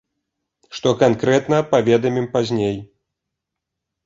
Што канкрэтна, паведамім пазней.